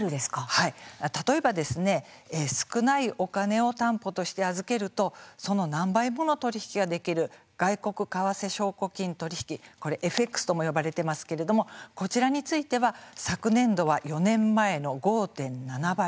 例えばですね少ないお金を担保として預けるとその何倍もの取り引きができる外国為替証拠金取引ＦＸとも呼ばれていますけれどもこちらについては昨年度は４年前の５．７倍の相談。